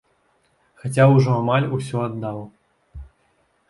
Хаця ўжо амаль усё аддаў.